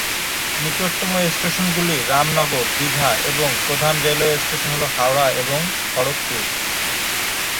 নিকটতম স্টেশনগুলি রামনগর, দীঘা এবং প্রধান রেলওয়ে স্টেশন হল হাওড়া এবং খড়গপুর।